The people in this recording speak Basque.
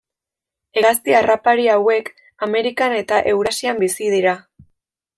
Hegazti harrapari hauek Amerikan eta Eurasian bizi dira.